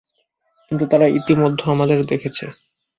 কিন্তু তারা ইতিমধ্যে আমাদের দেখেছে।